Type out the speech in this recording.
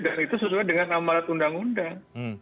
dan itu sesuai dengan amarat undang undang